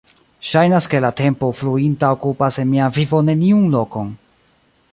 Ŝajnas, ke la tempo fluinta okupas en mia vivo neniun lokon.